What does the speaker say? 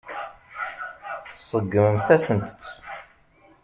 Tseggmem-asent-tt.